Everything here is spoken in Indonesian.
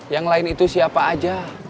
yang lain itu siapa aja